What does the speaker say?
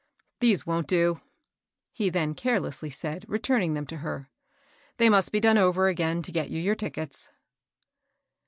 These wont do," he then carelessly said, re turning them to her. " They must be done over again to get you your tickets."